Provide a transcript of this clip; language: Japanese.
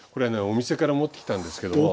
お店から持ってきたんですけども。